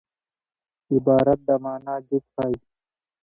عبارت د مانا جز ښيي.